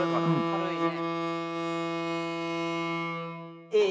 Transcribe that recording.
軽いね。